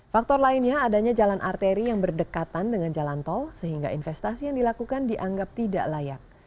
faktor lainnya adanya jalan arteri yang berdekatan dengan jalan tol sehingga investasi yang dilakukan dianggap tidak layak